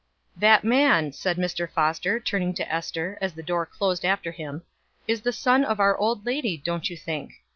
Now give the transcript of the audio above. "That man," said Mr. Foster, turning to Ester, as the door closed after him, "is the son of our old lady, don't you think!